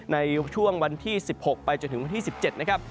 ในช่วงวันที่๑๖ไปจนถึงวันที่๑๗นะครับ